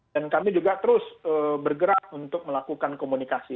dan kami juga terus bergerak untuk melakukan komunikasi